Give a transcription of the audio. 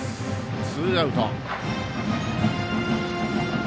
ツーアウト。